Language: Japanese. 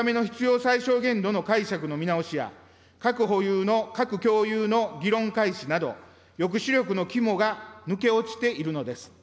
最小限度の解釈の見直しや、核保有の、核共有の議論開始など、抑止力の肝が抜け落ちているのです。